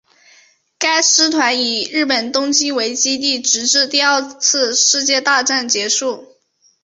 该师团以日本东京为基地直至第二次世界大战结束。